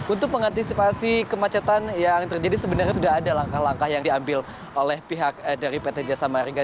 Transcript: untuk mengantisipasi kemacetan yang terjadi sebenarnya sudah ada langkah langkah yang diambil oleh pihak dari pt jasa marga